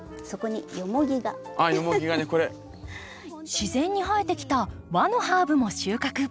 自然に生えてきた和のハーブも収穫。